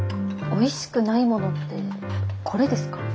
おいしくないものってこれですか？